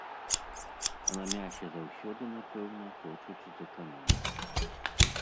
А на мясе заўсёды, напэўна, хочуць зэканоміць.